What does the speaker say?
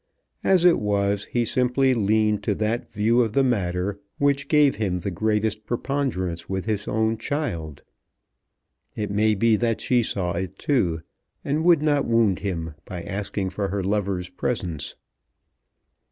As it was, he simply leaned to that view of the matter which gave him the greatest preponderance with his own child. It may be that she saw it too, and would not wound him by asking for her lover's presence.